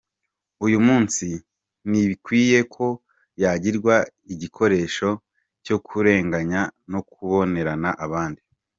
Uyu munsi, ntibikwiye ko yagirwa igikoresho cyo kurenganya no kubonerana abandi.